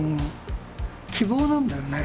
希望なんだよね。